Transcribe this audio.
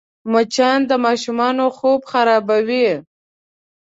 مچان د ماشومانو خوب خرابوي